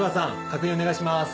確認お願いします。